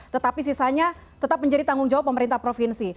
tetapi sisanya tetap menjadi tanggung jawab pemerintah provinsi